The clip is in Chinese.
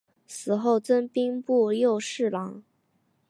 死后赠兵部右侍郎。